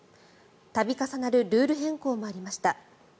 度重なるルール変更もありました。